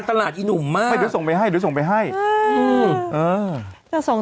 ทำไมผมไม่หยุดไว้ตามขนาดนั้น